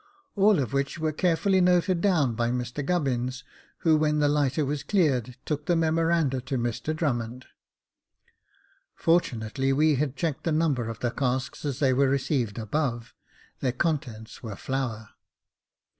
All of which were carefully noted down by Mr Gubbins, who, when the lighter was cleared, took the memoranda to Mr Drummond. Fortunately, we had checked the number of the casks as they were received above — their contents were flour.